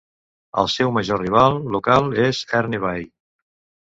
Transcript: El seu major rival local és Herne Bay.